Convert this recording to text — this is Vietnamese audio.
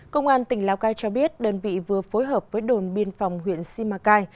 công an tỉnh lào cai cho biết đơn vị vừa phối hợp với đồn biên phòng huyện simacai